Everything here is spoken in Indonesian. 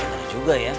bener juga ya